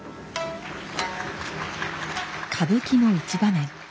歌舞伎の一場面。